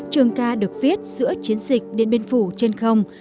trường ca được viết giữa chiến dịch điện biên phủ trên không